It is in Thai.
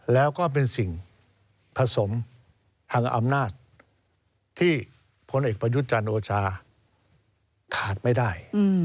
แล้วก็เป็นสิ่งผสมทางอำนาจที่พลเอกประยุทธ์จันทร์โอชาขาดไม่ได้